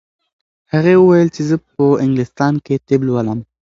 هغې وویل چې زه په انګلستان کې طب لولم.